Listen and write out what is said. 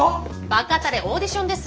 バカたれオーディションです。